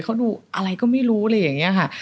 เขาดูอะไรก็ไม่รู้อะไรอย่างนี้ค่ะ